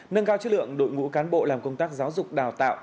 nâng cao chất lượng đội ngũ cán bộ làm công tác giáo dục đào tạo